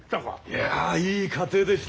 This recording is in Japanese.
いやいい家庭でした。